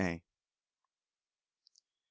A. _Sup.